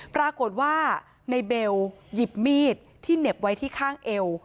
ปรากฏว่าในเบลหยิบมีดที่เหน็บไว้ที่ข้างเอว